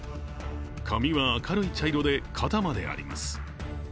髪は明るい茶色で肩まであります。